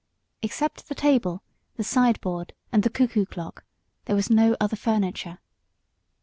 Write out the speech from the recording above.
Except the table, the sideboard and the cuckoo clock, there was no other furniture.